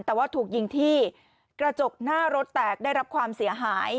แต่ว่าถูกยิงที่กระจกหน้ารถแตกได้รับความเสียหาย